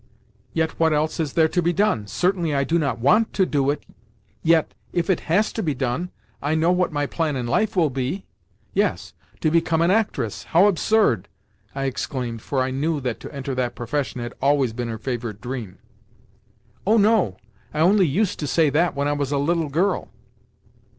"Yet what else is there to be done? Certainly I do not want to do it; yet, if it has to be done, I know what my plan in life will be." "Yes, to become an actress! How absurd!" I exclaimed (for I knew that to enter that profession had always been her favourite dream). "Oh no. I only used to say that when I was a little girl."